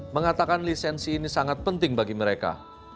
mengatakan lisensi ini sangat penting bagi mereka